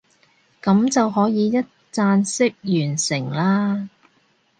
噉就可以一站式完成啦